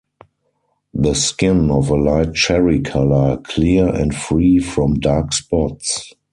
The skin of a light cherry colour, clear and free from dark spots.